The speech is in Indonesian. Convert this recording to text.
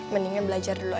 mendingan belajar dulu aja